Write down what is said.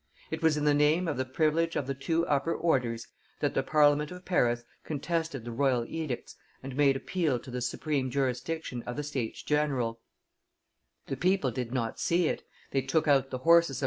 It was in the name of the privilege of the two upper orders that the Parliament of Paris contested the royal edicts and made appeal to the supreme jurisdiction of the States general; the people did not see it, they took out the horses of M.